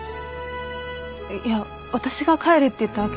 いや私が帰れって言ったわけじゃ。